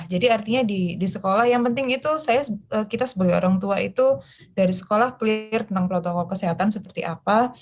jadi artinya di sekolah yang penting itu kita sebagai orang tua itu dari sekolah clear tentang protokol kesehatan seperti apa